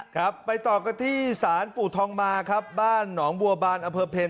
ครับไปต่อกันที่ศาลปู่ทองมาครับบ้านหนองบัวบานอำเภอเพล